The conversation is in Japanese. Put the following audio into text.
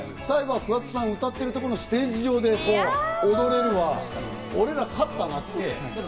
最後、桑田さん歌ってるところのステージ上で、こう踊れるわ、俺ら勝ったなっつって。